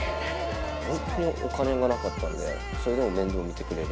本当にお金がなかったんで、それでも面倒見てくれる。